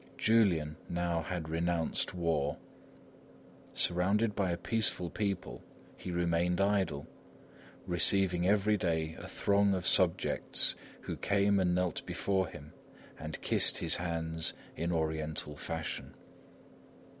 Julian now had renounced war. Surrounded by a peaceful people, he remained idle, receiving every day a throng of subjects who came and knelt before him and kissed his hand in Oriental fashion.